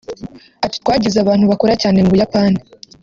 Ati “Twagize abantu bakora cyane mu Buyapani